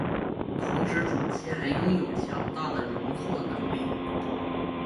同时主机还拥有强大的容错能力。